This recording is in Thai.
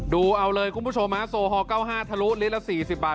ดูเอาเลยคุณผู้ชมสโห้เก้าห้าทะลุลิตรละ๔๐บาท